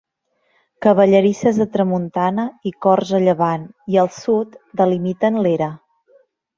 Cavallerisses a tramuntana i corts a llevant i al sud delimiten l'era.